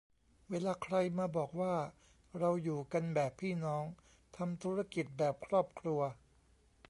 เวลาใครมาบอกว่า "เราอยู่กันแบบพี่น้อง" "ทำธุรกิจแบบครอบครัว"